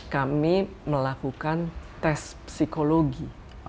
kami melakukan tes psikologi